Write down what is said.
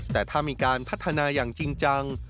แต่ถ้ามีการพัฒนาอย่างจริงจัง